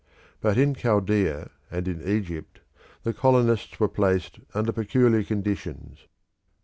But in Chaldea and in Egypt the colonists were placed under peculiar conditions.